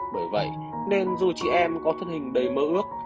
bởi vậy nên dù chị em có thân hình đầy mơ ước